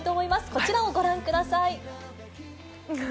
こちらをご覧ください。